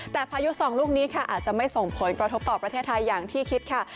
แต่พายุสองลูกนี้ค่ะอาจจะไม่ส่งผลกระทบต่อประเทศไทยอย่างที่คิดค่ะ